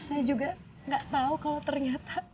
saya juga gak tau kalau ternyata